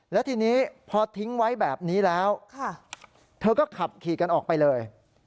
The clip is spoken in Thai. แล้วทีนี้พอทิ้งไว้แบบนี้แล้วเธอก็ขับขี่กันออกไปเลย